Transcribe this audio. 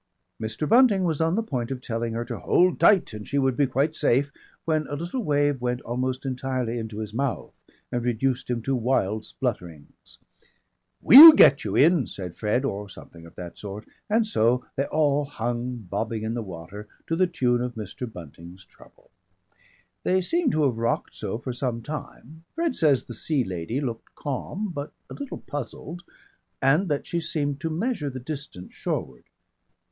Mr. Bunting was on the point of telling her to hold tight and she would be quite safe, when a little wave went almost entirely into his mouth and reduced him to wild splutterings. "We'll get you in," said Fred, or something of that sort, and so they all hung, bobbing in the water to the tune of Mr. Bunting's trouble. They seem to have rocked so for some time. Fred says the Sea Lady looked calm but a little puzzled and that she seemed to measure the distance shoreward.